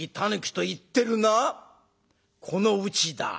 このうちだ。